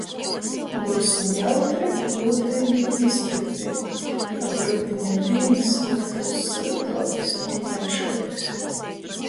Byusim jautri, gūdeigi i stypri, kab rudiņa dīnys lyktūs syltuokys i gaišuokys!!!